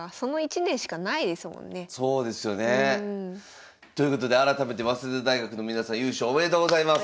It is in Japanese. そうですよね。ということで改めて早稲田大学の皆さん優勝おめでとうございます。